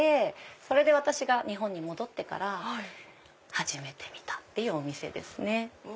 それで私が日本に戻ってから始めてみたっていうお店ですね。